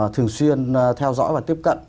thường xuyên theo dõi và tiếp cận